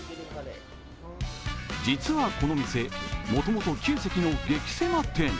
実は、この店、もともと９席の激せま店。